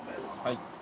はい。